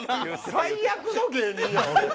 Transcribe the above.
最悪の芸人やん俺。